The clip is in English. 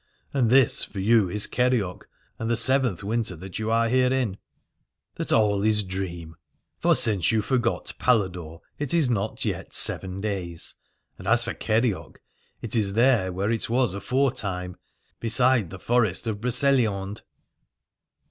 And this for you is Kerioc, and the seventh winter that you are herein : but I tell you that all is dream. For since you for 287 Alad ore got Paladore it is not yet seven days : and as for Kerioc it is there where it was aforetime, beside the forest of Broceliande.